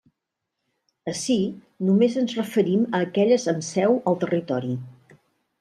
Ací només ens referim a aquelles amb seu al territori.